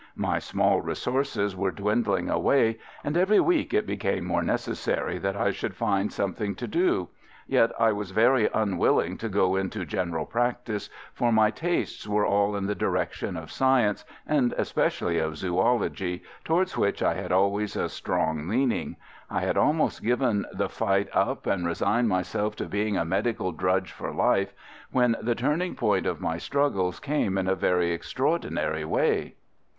My small resources were dwindling away, and every week it became more necessary that I should find something to do. Yet I was very unwilling to go into general practice, for my tastes were all in the direction of science, and especially of zoology, towards which I had always a strong leaning. I had almost given the fight up and resigned myself to being a medical drudge for life, when the turning point of my struggles came in a very extraordinary way.